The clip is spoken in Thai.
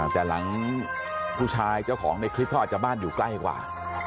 แต่หลังผู้ชายเจ้าของในคลิปเขาอาจจะบ้านอยู่ใกล้กว่า